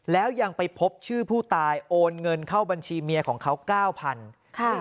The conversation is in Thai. แล้วยังไปพบชื่อผู้ตายโอนเงินเข้าบัญชีเมียของเขาเก้าพันค่ะ